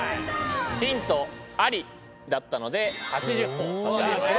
ヒントありだったので８０ほぉを差し上げましょう。